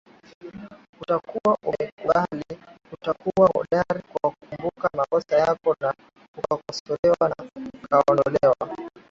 utakuwa umeikumbali utakuwa hodari kwa kukumbali makosa yako na ukakosolewa na ukaondolewa